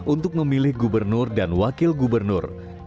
untuk memilih gubernur dan wakil gubernur